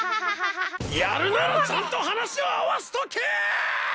やるならちゃんと話を合わせとけ！